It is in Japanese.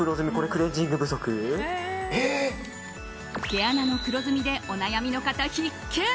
毛穴の黒ずみでお悩みの方必見！